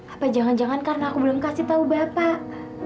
apa jangan jangan karena aku belum kasih tahu bapak